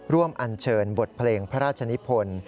อันเชิญบทเพลงพระราชนิพล